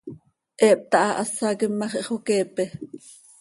He hptahahásaquim ma x, ihxoqueepe.